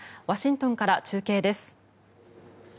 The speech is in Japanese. ワシントンから中継です。